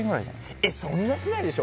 えっそんなしないでしょ